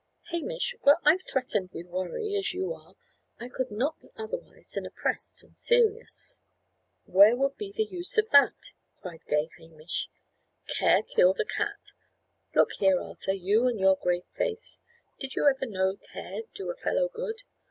"Hamish, were I threatened with worry, as you are, I could not be otherwise than oppressed and serious." "Where would be the use of that?" cried gay Hamish. "Care killed a cat. Look here, Arthur, you and your grave face! Did you ever know care do a fellow good?